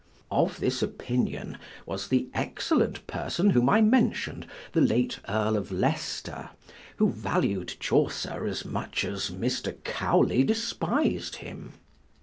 Of this opinion was that excellent person whom I mention'd, the late Earl of Leicester, who valued Chaucer as much as Mr. Cowley despis'd him.